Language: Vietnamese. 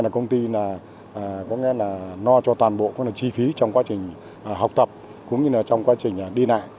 cũng như trong quá trình đi lại